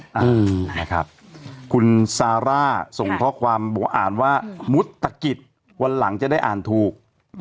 อืมคุณซาร่าส่งข้อความบอกอ่านว่ามุษตกิจวันหลังจะได้อ่านถูก